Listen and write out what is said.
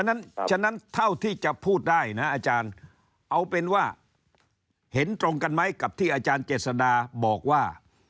ฉะนั้นเท่าที่จะพูดได้นะอาจารย์เอาเป็นว่าเห็นตรงกันไหมกับที่อาจารย์เจษดาบอกว่า